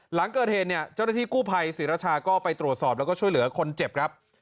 หลังเกิดเหตุเนี่ยเจ้าหน้าที่กู้ภัยศรีรชาก็ไปตรวจสอบแล้วก็ช่วยเหลือคนเจ็บครับ